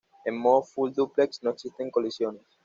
En modo full duplex no existen colisiones.